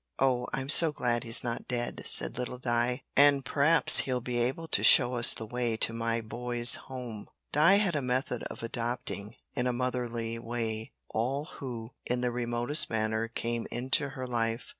"Oh! I'm so glad he's not dead," said little Di, "and p'raps he'll be able to show us the way to my boy's home." Di had a method of adopting, in a motherly way, all who, in the remotest manner, came into her life.